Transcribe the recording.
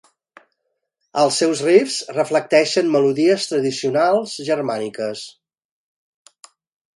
Els seus riffs reflecteixen melodies tradicionals germàniques.